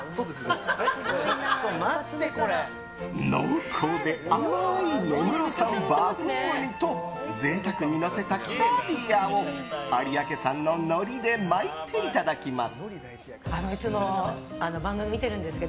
濃厚で甘い根室産バフンウニと贅沢にのせたキャビアを有明産ののりで巻いていただきます。